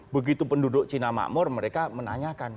begitu penduduk cina makmur mereka menanyakan